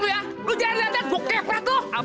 kurang ajar lu ya